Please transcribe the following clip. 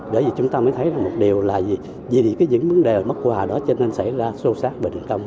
để vì chúng ta mới thấy là một điều là vì những vấn đề mất hòa đó cho nên xảy ra sâu sát bình công